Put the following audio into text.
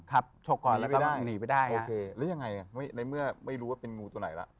ยังไงบ้างไม่รู้ว่าเป็นงูตัวไหนล่ะ